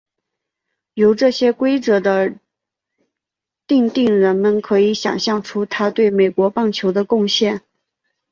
由这些规则的订定人们可以想像出他对美国棒球的贡献。